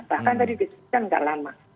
bahkan tadi disebutkan tidak lama